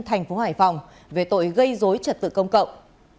thành phố hải phòng về tội gây dối trật tự công cộng